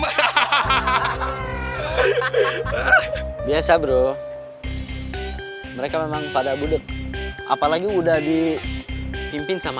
hahaha biasa bro mereka memang pada budeg apalagi udah di pimpin sama